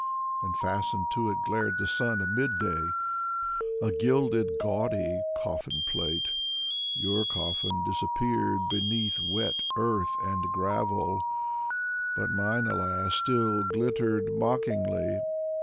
And fastened to it glared the sun of mid day: A gilded, gawdy coffin plate. Your coffin disappeared beneath wet earth and gravel, But mine — alas! — still glittered mockingly.